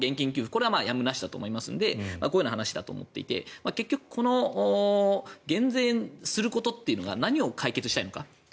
これはやむなしだと思うのでこういう話だと思っていて減税することが何を解決したいのか。